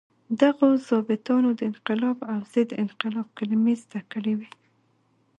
دغو ظابیطانو د انقلاب او ضد انقلاب کلمې زده کړې وې.